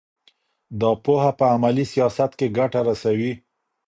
دا پوهه په عملي سیاست کې ګټه رسوي.